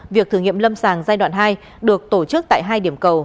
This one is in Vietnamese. việc thử nghiệm lâm sàng giai đoạn hai được tổ chức tại hai điểm cầu